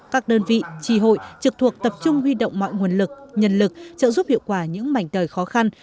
các đơn vị trì hội trực thuộc tập trung huy động mọi nguồn lực nhân lực trợ giúp hiệu quả những mảnh đời khó khăn